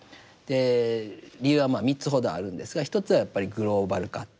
理由はまあ３つほどあるんですが１つはやっぱりグローバル化。